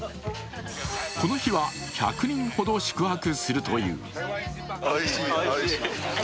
この日は１００人ほど宿泊するという。